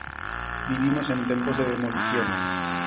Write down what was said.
Vivimos en tempos de demolición.